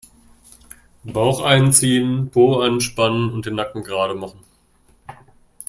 Bauch einziehen, Po anspannen und den Nacken gerade machen.